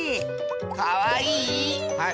かわいい？